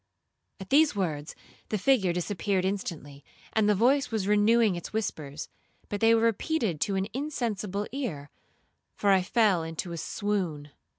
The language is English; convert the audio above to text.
At these words the figure disappeared instantly, and the voice was renewing its whispers, but they were repeated to an insensible ear, for I fell into a swoon.